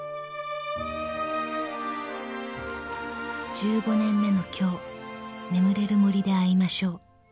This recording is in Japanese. ［「１５年目の今日眠れる森で会いましょう」］